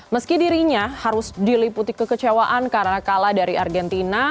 meski dirinya harus diliputi kekecewaan karena kalah dari argentina